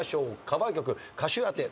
カバー曲歌手当て。